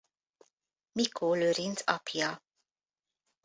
Mikó Lőrinc apja.